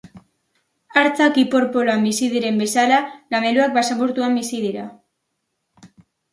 Hartzak ipar-poloan bizi diren bezala gameluak basamortuan bizi dira.